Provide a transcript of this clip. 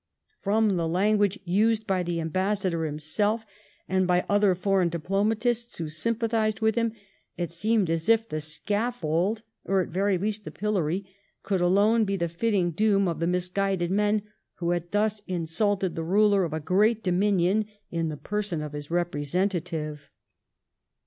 From the language used by the ambassador himself and by other foreign diplomatists who sympathised with him, it seemed as if the scaff^old, or at the very least the pillory, could alone be the fitting doom of the misguided men who had thus insulted the ruler of a great dominion in the person of his representative.